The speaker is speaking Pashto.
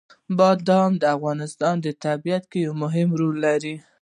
بادام د افغانستان په طبیعت کې یو مهم رول لري.